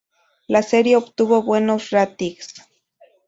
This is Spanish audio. La serie obtuvo buenos ratings.